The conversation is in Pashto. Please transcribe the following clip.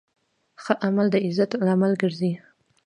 ښه عمل د عزت لامل ګرځي.